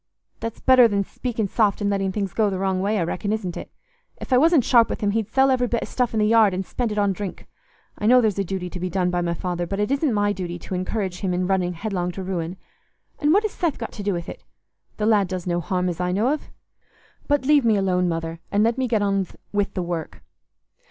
"That's better than speaking soft and letting things go the wrong way, I reckon, isn't it? If I wasn't sharp with him he'd sell every bit o' stuff i' th' yard and spend it on drink. I know there's a duty to be done by my father, but it isn't my duty to encourage him in running headlong to ruin. And what has Seth got to do with it? The lad does no harm as I know of. But leave me alone, Mother, and let me get on with the work."